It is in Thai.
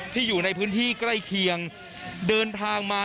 อยู่ในพื้นที่ใกล้เคียงเดินทางมา